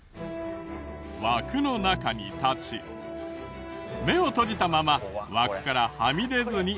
枠の中に立ち目を閉じたまま枠からはみ出ずに足踏み。